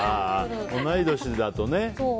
同い年だとね。